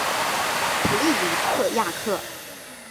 普利尼亚克。